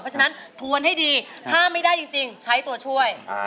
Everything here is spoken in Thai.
เพราะฉะนั้นทวนให้ดีถ้าไม่ได้จริงใช้ตัวช่วย